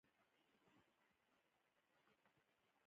دا په دې کیږي چې غیر حاضري ونه کړو.